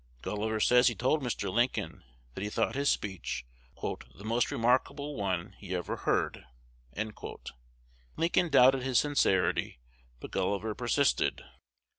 Gulliver says he told Mr. Lincoln that he thought his speech "the most remarkable one he ever heard." Lincoln doubted his sincerity; but Gulliver persisted.